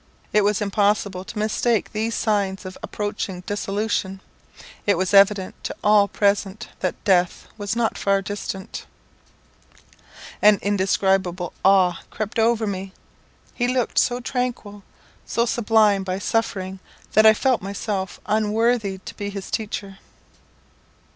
It was impossible to mistake these signs of approaching dissolution it was evident to all present that death was not far distant. An indescribable awe crept over me. He looked so tranquil, so sublimed by suffering, that I felt my self unworthy to be his teacher.